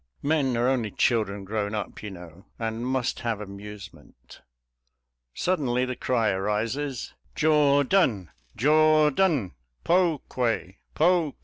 Men are only children grown up, you know, and must have amusement. Suddenly the cry arises, " Jordan ! Jordan ! Pokue ! Pokue !